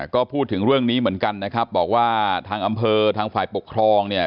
ก็พูดถึงเรื่องนี้เหมือนกันนะครับบอกว่าทางอำเภอทางฝ่ายปกครองเนี่ย